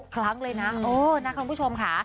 ๖ครั้งเลยนะนักความผู้ชมค่ะ